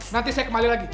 nanti saya kembali lagi